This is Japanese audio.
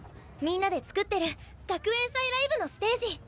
みんなで作ってる学園祭ライブのステージ。